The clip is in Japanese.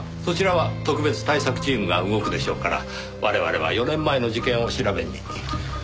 そちらは特別対策チームが動くでしょうから我々は４年前の事件を調べに。